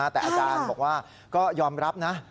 แต่อาจารย์บอกว่าก็ยอมรับนะ